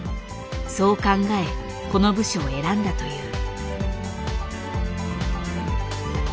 そう考えこの部署を選んだという。